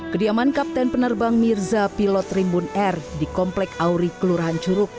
kediaman kapten penerbang mirza pilot rimbun air di komplek auri kelurahan curug